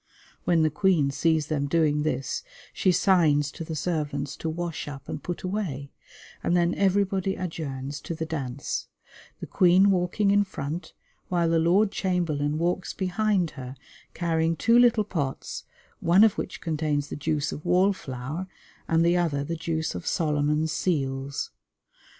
When the Queen sees them doing this she signs to the servants to wash up and put away, and then everybody adjourns to the dance, the Queen walking in front while the Lord Chamberlain walks behind her, carrying two little pots, one of which contains the juice of wall flower and the other the juice of Solomon's Seals.